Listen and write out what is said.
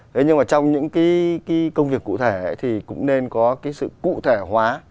thế nhưng mà trong những cái công việc cụ thể thì cũng nên có cái sự cụ thể hóa